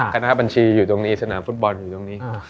คณะบัญชีอยู่ตรงนี้สนามฟุตบอลอยู่ตรงนี้